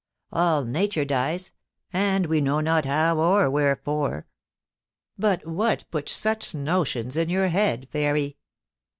All Nature dies, and we know not how or wherefore. But what puts such notions into your head. Fairy